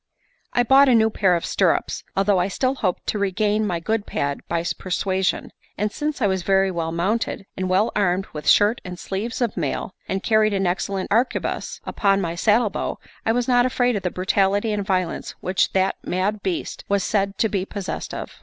IV I bought a new pair of stirrups, although I still hoped to regain my good pad by persuasion; and since I was very well mounted, and well armed with shirt and sleeves of mail, and carried an excellent arquebuse upon my saddle bow, I was not afraid of the brutality and violence which that mad beast was said to be possessed of.